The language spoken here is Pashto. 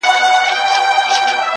لمر په دوو گوتو نه پټېږي.